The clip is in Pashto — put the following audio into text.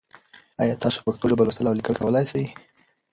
ایا تاسو په پښتو ژبه لوستل او لیکل کولای سئ؟